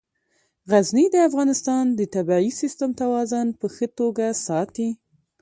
غزني د افغانستان د طبعي سیسټم توازن په ښه توګه ساتي.